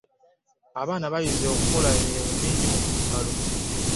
abaana bayize okukola emirimu mingi mu mugalo